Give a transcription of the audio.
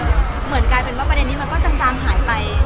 เหมือนกลายเป็นว่าประเด็นนี้มันก็จางหายไป